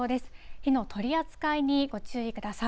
火の取り扱いにご注意ください。